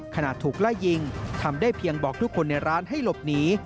ขณะถูกไล่ยิงทำได้เพียงบอกทุกคนในร้านให้หลบหนี